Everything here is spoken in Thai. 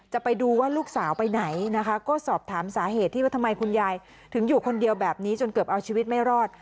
ไปดูว่าลูกสาวไปไหนนะคะก็สอบถามสาเหตุที่ว่าทำไมคุณยายถึงอยู่คนเดียวแบบนี้จนเกือบเอาชีวิตไม่รอด